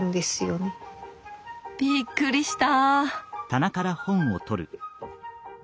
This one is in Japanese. びっくりした。